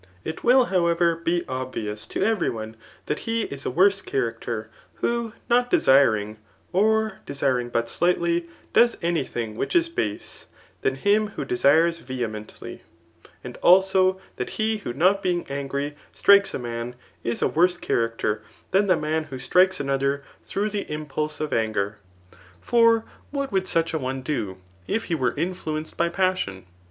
It will, however, be obvious to every one, that he is a worse character, who not desiring, or desiring but slight ly^ does any thing which is base, than him who desires vehemently; and also that he who not being angry strikes a man, is a worse character than the man who strikes another through the impulse of anger. For what would such a one do, if he were influenced by passion